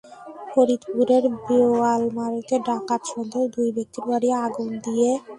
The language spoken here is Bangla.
ফরিদপুরের বোয়ালমারীতে ডাকাত সন্দেহে দুই ব্যক্তির বাড়ি আগুন দিয়ে পুড়িয়ে দিয়েছে এলাকাবাসী।